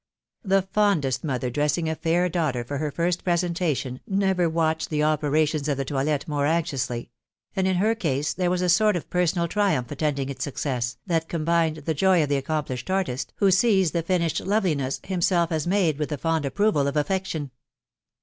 The fondest neither dress ing a lair daughter for her Just presentation, never watched the operations ctf the toilet more anxiously ; and in her case there was a sort of personal triumph attending its auoeeas, that com bined the joy of the accomplished artist, who sees the finished loveliness himself has made, with the food approval of affection.